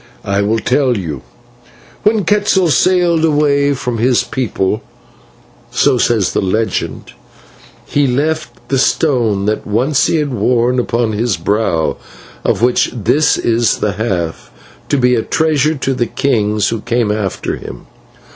"I will tell you. When Quetzal sailed away from his people, so says the legend, he left the stone, that once he had worn upon his brow, of which this is the half, to be a treasure to the kings who came after him.